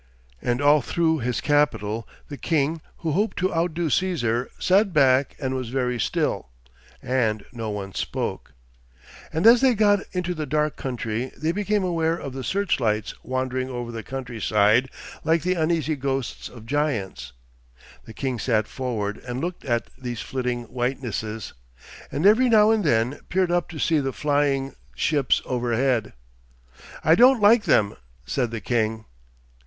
And all through his capital the king who hoped to outdo Cæsar, sat back and was very still, and no one spoke. And as they got out into the dark country they became aware of the searchlights wandering over the country side like the uneasy ghosts of giants. The king sat forward and looked at these flitting whitenesses, and every now and then peered up to see the flying ships overhead. 'I don't like them,' said the king.